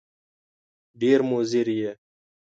ډېر مضر یې !